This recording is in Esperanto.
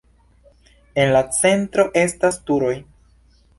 En la centro estas turoj.